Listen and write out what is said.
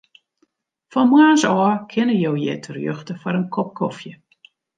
Fan moarns ôf kinne jo hjir terjochte foar in kop kofje.